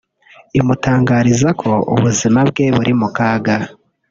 imutangariza ko ubuzima bwe buri mu kaga